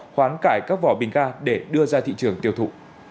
khoán cải các vỏ bình ga để đưa ra thị trường tiêu thụ